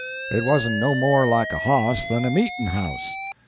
It wasn't no more like a hoss than a meetin' house.